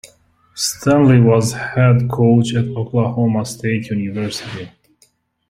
Stanley was head coach at Oklahoma State University.